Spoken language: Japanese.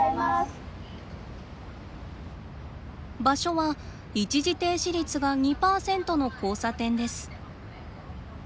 場所は一時停止率が２％の交差点です。